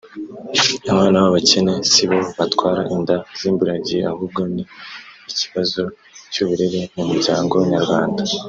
Abana b’abakene si bo batwara inda z’imburagihe ahubwo ni ikibazo cy’uburere mu muryango nyarwanda